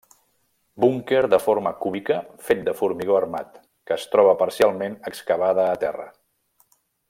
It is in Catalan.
Búnquer de forma cúbica fet de formigó armat, que es troba parcialment excavada a terra.